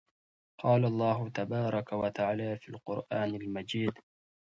قال الله تبارك وتعالى فى القران المجيد: